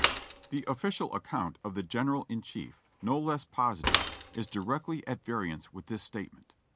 The official account of the general in chief, no less positive, is GETTYSBURG 385 directly at variance with this statement.